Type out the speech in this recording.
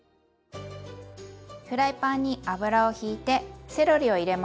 フライパンに油をひいてセロリを入れます。